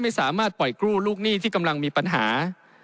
ไม่สามารถปล่อยกู้ลูกหนี้ที่กำลังมีปัญหา